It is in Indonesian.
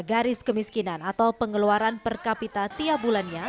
garis kemiskinan atau pengeluaran per kapita tiap bulannya